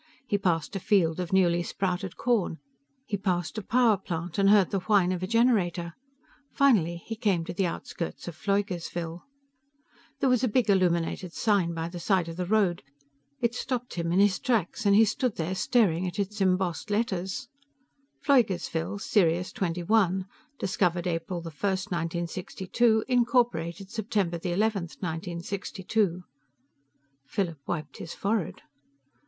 He passed a field of newly sprouted corn. He passed a power plant, and heard the whine of a generator. Finally he came to the outskirts of Pfleugersville. There was a big illuminated sign by the side of the road. It stopped him in his tracks, and he stood there staring at its embossed letters: PFLEUGERSVILLE, SIRIUS XXI Discovered April 1, 1962 Incorporated September 11, 1962 Philip wiped his forehead.